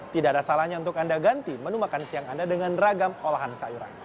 tidak ada salahnya untuk anda ganti menu makan siang anda dengan ragam olahan sayuran